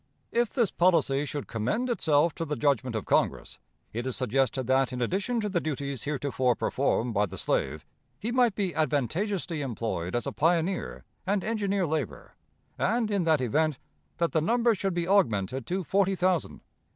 If this policy should commend itself to the judgment of Congress, it is suggested that, in addition to the duties heretofore performed by the slave, he might be advantageously employed as a pioneer and engineer laborer, and, in that event, that the number should be augmented to forty thousand.